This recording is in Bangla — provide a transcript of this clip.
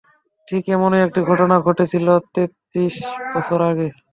ঠিক এমনই একটি ঘটনা ঘটেছিলো তেত্রিশ বছর আগে।